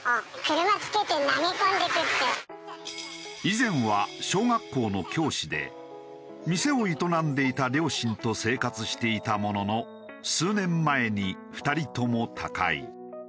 以前は小学校の教師で店を営んでいた両親と生活していたものの数年前に２人とも他界。